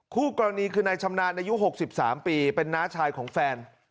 คู่กรณีคือนายชำนาญอายุ๖๓ปีเป็นน้าชายของแฟน